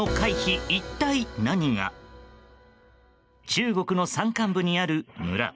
中国の山間部にある村。